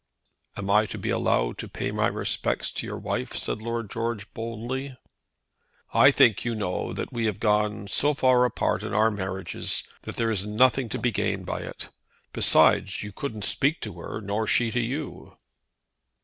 "Am I to be allowed to pay my respects to your wife?" said Lord George boldly. "I think, you know, that we have gone so far apart in our marriages that there is nothing to be gained by it. Besides, you couldn't speak to her, nor she to you."